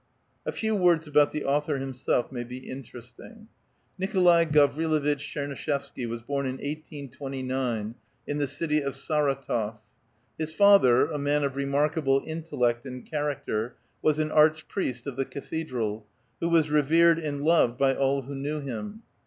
A few words about the author himself may be interesting. Nikolai' Gavrilovitch Tchernuishevsky* was born in 1829, in the city of Sardtof. His father, a man of remarkable intellect and character, was an archpriest of the cathedral, who was revered and loved by all who knew him.